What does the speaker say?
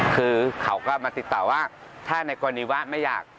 คือเขาก็มาติดต่อว่าถ้าในกรณีว่าไม่อยาก